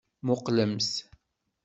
Muqqlemt.